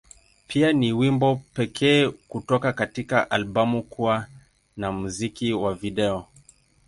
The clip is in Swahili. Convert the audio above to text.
Pia, ni wimbo pekee kutoka katika albamu kuwa na muziki wa video.